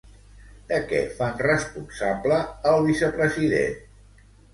De què fan responsable el vicepresident?